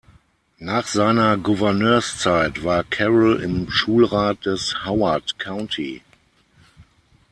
Nach seiner Gouverneurszeit war Carroll im Schulrat des Howard County.